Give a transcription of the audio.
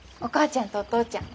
ちゃんとお父ちゃん